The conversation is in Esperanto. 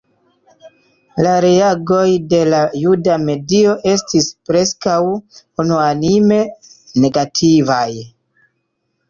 La reagoj de la juda medio estis preskaŭ unuanime negativaj.